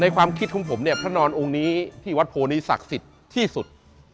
ความคิดของผมเนี่ยพระนอนองค์นี้ที่วัดโพนี้ศักดิ์สิทธิ์ที่สุด